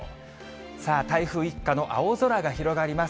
さあ台風一過の青空が広がります。